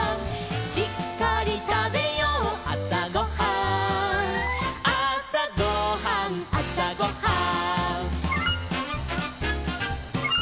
「しっかりたべようあさごはん」「あさごはんあさごはん」